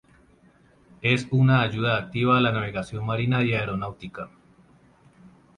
Es una ayuda activa a la navegación marina y aeronáutica.